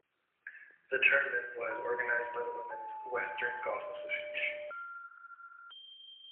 The tournament was organized by the Women's Western Golf Association.